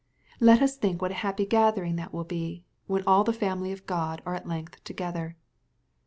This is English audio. Let us think what a happy gathering that wiU be, when all the family of God are at length together.